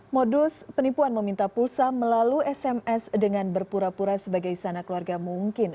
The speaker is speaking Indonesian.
modus penipuan meminta pulsa melalui sms dengan berpura pura sebagai sana keluarga mungkin